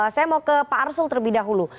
saya mau ke pak arsul terlebih dahulu